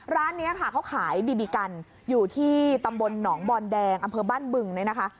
ร้านนี้เขาขายบีบีกันอยู่ที่ตำบลหนองบอลแดงอำเภอบ้านบึ่ง